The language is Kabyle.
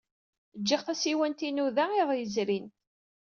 Jjiɣ tasiwant-inu da iḍ yezrin.